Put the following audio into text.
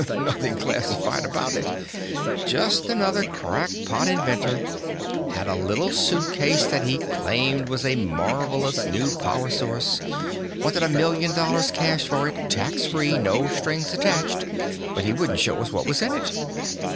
"Nothing classified about it. Just another crackpot inventor. Had a little suitcase that he claimed was a marvelous new power source. Wanted a million dollars cash for it, tax free, no strings attached, but he wouldn't show us what was in it.